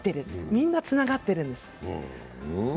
みんなつながってるんです。